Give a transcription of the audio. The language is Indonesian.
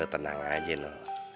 lu tenang aja noh